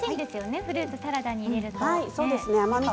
フルーツ、サラダに入れると。